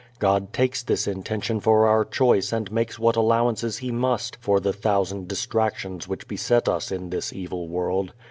God takes this intention for our choice and makes what allowances He must for the thousand distractions which beset us in this evil world.